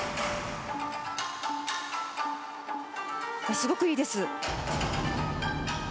すごくいいです。